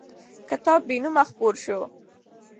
کتاب بېنومه خپور شو.